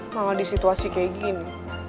malah di situasi kayak gini